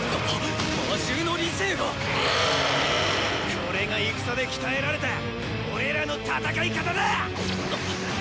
これが戦で鍛えられた俺らの戦い方だ！